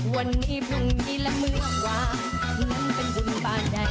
วันนี้พรุ่งนี้และเมื่อวานนั้นเป็นฝุ่นป่าใจ